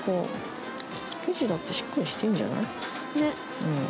生地だってしっかりしてるんじゃない、ね。